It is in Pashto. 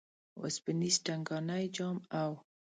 وسپنیز ټنګانی جام او